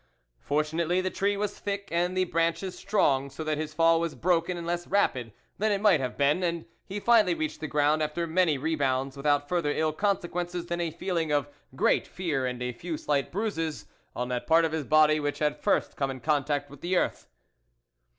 Fortu nately the tree was thick, and the branches strong, so that his fall was broken and less rapid than it might have been, and he finally reached the ground, after many re bounds, without further ill consequences than a feeling of great fear and a few slight bruises on that part of his body which had first come in contact with the earth.